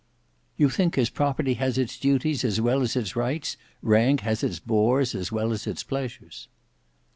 "You think as property has its duties as well as its rights, rank has its bores as well as its pleasures."